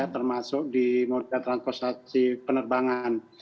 termasuk di moda transportasi penerbangan